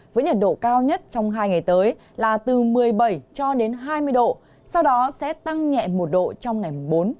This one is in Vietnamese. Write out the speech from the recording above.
với nhiệt độ cao nhất trong hai ngày tới là từ một mươi bảy cho đến hai mươi độ sau đó sẽ tăng nhẹ một độ trong ngày mùng bốn